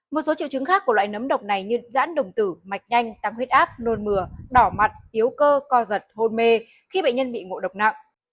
một số triệu chứng khác của loại nấm độc này như giãn đồng tử mạch nhanh tăng huyết áp nôn mừa đỏ mặt yếu cơ co giật hôn mê khi bệnh nhân bị ngộ độc nặng